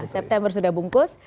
september sudah bungkus